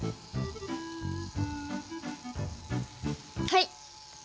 はい。